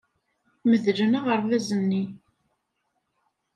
Medlen aɣerbaz-nni.